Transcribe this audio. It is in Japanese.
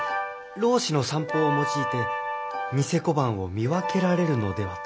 老師の算法を用いて贋小判を見分けられるのではと。